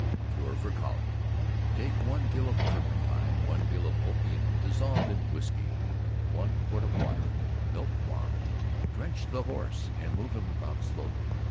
CURE FOR COLIC. Take 1 gill of turpentine, 1 gill of opium dissolved in whisky; 1 quart of water, milk warm. Drench the horse and move him about slowly.